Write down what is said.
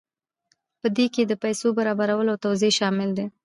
په دې کې د پیسو برابرول او توزیع شامل دي.